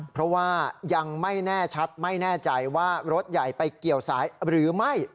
เพราะว่ายังไม่แน่ชัดไม่แน่ใจว่ารถใหญ่ไปเกี่ยวสายหรือไม่